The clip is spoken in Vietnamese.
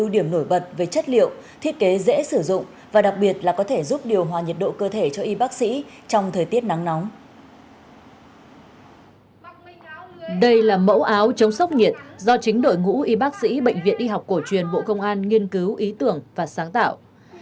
đây là mẫu áo chống sốc nhiệt do chính đội ngũ y bác sĩ bệnh viện y học cổ truyền bộ công an nghiên cứu ý tưởng và sáng tạo